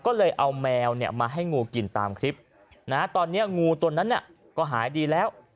ก็เลยเอาแมวเนี่ยมาให้งูกินตามคลิปนะตอนนี้งูตัวนั้นก็หายดีแล้ว